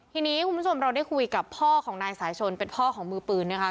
ทีนี้คุณผู้ชมเราได้คุยกับพ่อของนายสายชนเป็นพ่อของมือปืนนะคะ